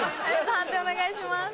判定お願いします。